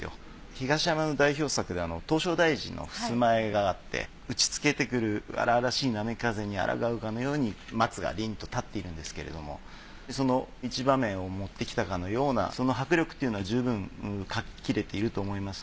東山の代表作で唐招提寺の襖絵があって打ちつけてくる荒々しい波風に抗うかのように松が凛と立っているんですけれどもその一場面をもってきたかのようなその迫力っていうのは十分描ききれていると思います。